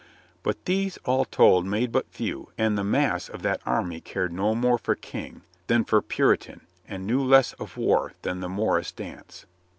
But these all told made but few and the mass of that army cared no more for King than for Puri tan and knew less of war than the morris dance.